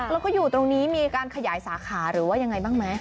แล้วก็อยู่ตรงนี้มีการขยายสาขาหรือว่ายังไงบ้างไหม